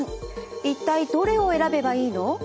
一体どれを選べばいいの？